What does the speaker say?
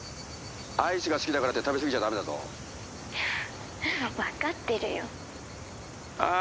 アイスが好きだからって食べすぎちゃダメだぞ分かってるよああ